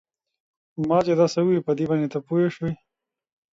After the Soviet liberation of Austria Steinhardt was appointed deputy mayor of Vienna.